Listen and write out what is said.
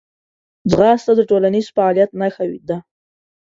ځغاسته د ټولنیز فعالیت نښه ده